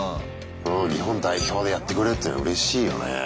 日本代表でやってくれるっていうのうれしいよね。